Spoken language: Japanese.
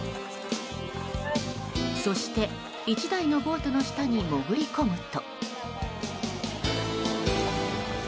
そして、１台のボートの下に潜り込むと。